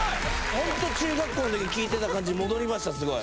本当、中学校のときに聴いてた感じに戻りました、すごい。